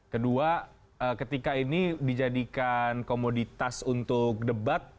kedua ketika ini dijadikan komoditas untuk debat